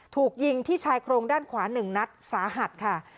ถูกยิงที่ชายโครงด้านขวา๑นัดสาหัสค่ะ